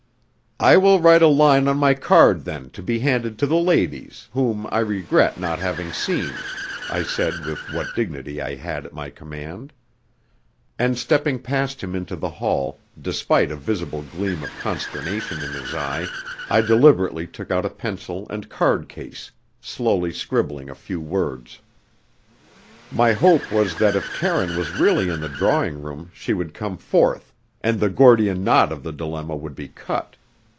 "I will write a line on my card, then, to be handed to the ladies, whom I regret not having seen," I said with what dignity I had at my command. And stepping past him into the hall, despite a visible gleam of consternation in his eye, I deliberately took out a pencil and card case, slowly scribbling a few words. My hope was that if Karine was really in the drawing room she would come forth, and the Gordian knot of the dilemma would be cut.